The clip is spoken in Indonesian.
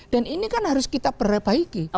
dan ini kan harus kita perbaiki